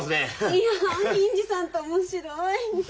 いやん銀次さんって面白い！